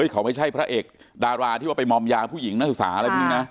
เขาไม่ใช่พระเอกดาราที่ว่าไปมอมยาผู้หญิงนักศึกษาอะไรพวกนี้นะ